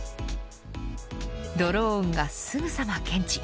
ドローンがすぐさま検知。